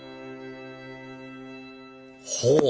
ほう！